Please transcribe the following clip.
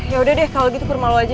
ya udah deh kalau gitu ke rumah lo aja